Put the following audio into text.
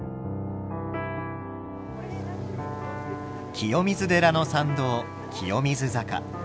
清水寺の参道清水坂。